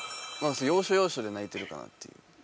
要所要所で泣いてるかなっていう。